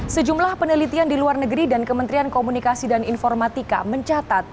sejumlah penelitian di luar negeri dan kementerian komunikasi dan informatika mencatat